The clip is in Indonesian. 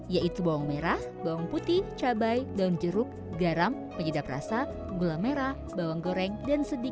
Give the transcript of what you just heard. saya akan memasak dua jenis makanan yang kabarnya sudah ada sejak abad enam belas masehi